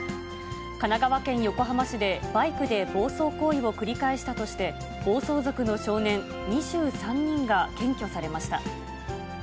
神奈川県横浜市で、バイクで暴走行為を繰り返したとして、暴走族の少年２３人が検挙されました。